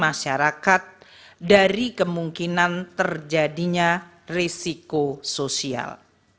masyarakat dari kemungkinan terjadinya risiko sosial